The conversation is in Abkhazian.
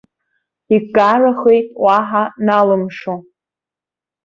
Икарахеит уаҳа налымшо.